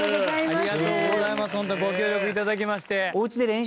ホントご協力頂きまして。